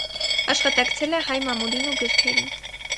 Աշխատակցել է հայ մամուլին ու գրքերին։